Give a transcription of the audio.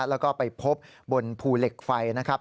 แล้วก็ไปพบบนภูเหล็กไฟนะครับ